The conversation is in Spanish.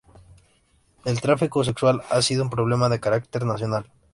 El tráfico sexual ha sido un problema de carácter nacional.